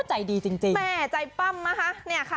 ใจปั้มนะคะ